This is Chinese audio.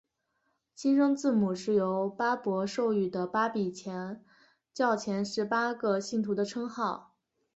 新生字母是由巴孛授予的巴比教前十八个信徒的称号。